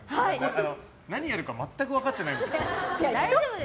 何やるか全く分かってないのよ。